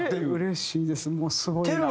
うれしいですもうすごい。